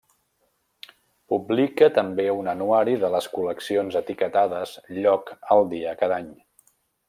Publica també un anuari de les col·leccions etiquetades lloc al dia cada any.